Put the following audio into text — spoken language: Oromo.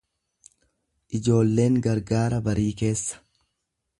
Ijoolleen gargaara barii keessa.